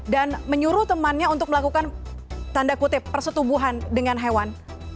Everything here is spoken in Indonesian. dan menyuruh temannya untuk melakukan tanda kutip persetubuhan dengan hewan